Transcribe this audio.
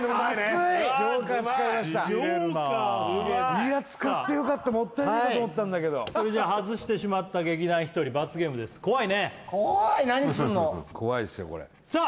いや使ってよかったもったいないかと思ったんだけどじゃ外してしまった劇団ひとり罰ゲームです怖いねさあ